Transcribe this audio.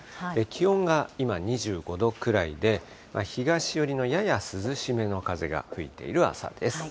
気温が今、２５度ぐらいで、東寄りのやや涼しめの風が吹いている朝です。